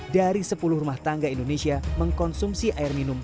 dari sepuluh rumah tangga indonesia mengkonsumsi air minum